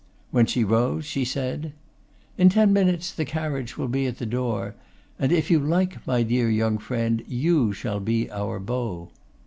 When she rose, she said, 'In ten minutes the carriage will be at the door; and if you like, my dear young friend, you shall be our beau.